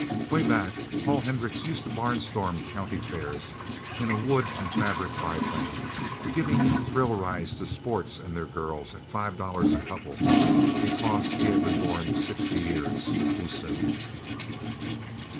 Way back, Paul Hendricks used to barnstorm county fairs in a wood and fabric biplane, giving thrill rides to sports and their girls at five dollars a couple, because he had been born sixty years too soon.